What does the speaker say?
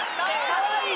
かわいい！